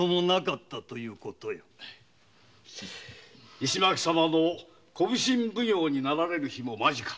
石巻様が小普請奉行になられる日も間近。